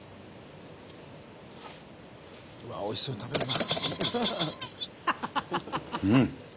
うわっおいしそうに食べるなあ。